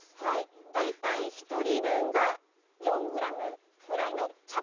大体１人分が４グラムぐらいの茶葉。